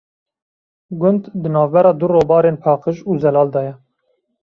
Gund navbera du robarên paqij û zelal da ye.